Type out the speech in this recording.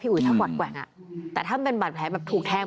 อุ๋ยถ้ากวัดแกว่งอ่ะแต่ถ้ามันเป็นบาดแผลแบบถูกแทง